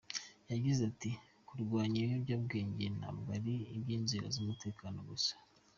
Yagize ati:” kurwanya ibiyobyabwenge ntabwo ari iby’inzego z’umutekano gusa.